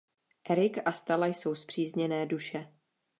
Eric a Stella jsou spřízněné duše.